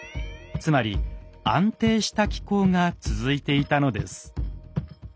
つまり安定した気候が続いていたのです。